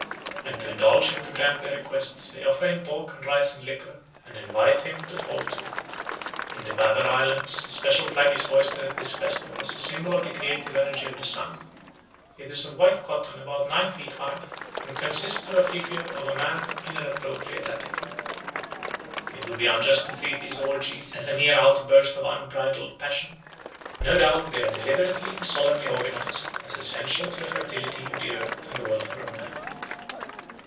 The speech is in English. And to induce him to grant their requests they offer him pork and rice and liquor, and invite him to fall to. In the Babar Islands a special flag is hoisted at this festival as a symbol of the creative energy of the sun; it is of white cotton, about nine feet high, and consists of the figure of a man in an appropriate attitude. It would be unjust to treat these orgies as a mere outburst of unbridled passion; no doubt they are deliberately and solemnly organised as essential to the fertility of the earth and the welfare of man.